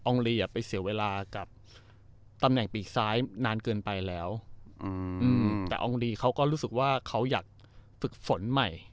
ลีอ่ะไปเสียเวลากับตำแหน่งปีกซ้ายนานเกินไปแล้วแต่อองลีเขาก็รู้สึกว่าเขาอยากฝึกฝนใหม่